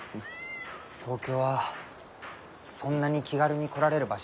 東京はそんなに気軽に来られる場所じゃありません。